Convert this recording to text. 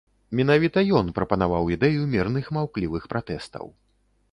Менавіта ён прапанаваў ідэю мірных маўклівых пратэстаў.